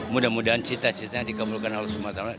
mudah mudahan cita citanya dikabulkan oleh allah swt